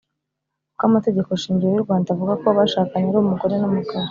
kuko amategeko shingiro y’urwanda avuga ko abashakanye ari umugore n’umugabo.